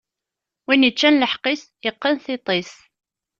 Win iččan lḥeqq-is, iqqen tiṭ-is!